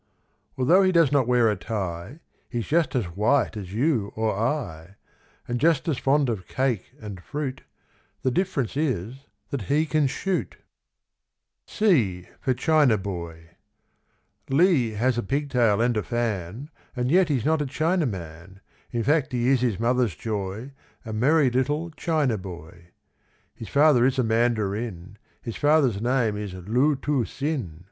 Although he does not wear a tie He's just as white as you or I, And just as fond of cake and fruit; The difference is that he can shoot. C for Chinaboy. Li has a pigtail and a fan, And yet he's not a Chinaman; In fact, he is his mother's joy, A merry little Chinaboy. His father is a Mandarin, His father's name is Loo Too Sin.